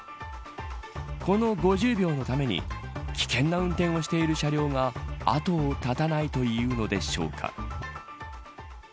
この５０秒のために危険な運転をしている車両が後を絶たないというのでしょうか。